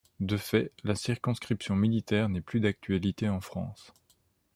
De fait, la circonscription militaire n'est plus d'actualité en France.